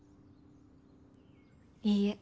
いいえ。